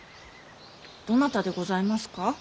どなたでございますか。